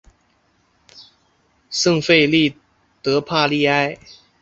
圣费利德帕利埃。